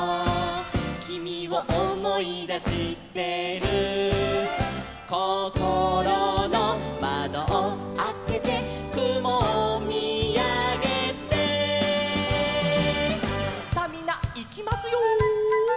「君を思い出してる」「こころの窓をあけて」「雲を見あげて」さあみんないきますよ。